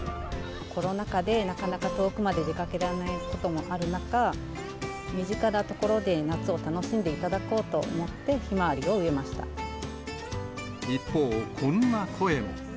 コロナ禍で、なかなか遠くまで出かけられないこともある中、身近なところで夏を楽しんでいただこうと思って、ひまわりを植え一方、こんな声も。